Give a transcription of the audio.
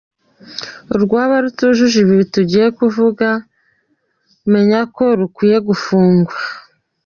rwaba rutujuje ibi tugiye kuvuga, menya ko rukwiriye gufungwa.